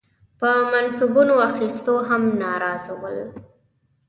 په منصبونو اخیستو هم ناراضه ول.